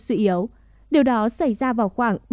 suy yếu điều đó xảy ra vào khoảng